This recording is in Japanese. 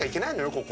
ここ。